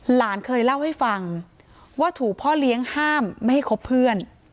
หลานเคยเล่าให้ฟังว่าถูกพ่อเลี้ยงห้ามไม่ให้คบเพื่อน